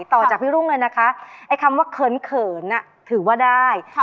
ต่อจากพี่รุ่งเลยนะคะไอ้คำว่าเขินถือว่าได้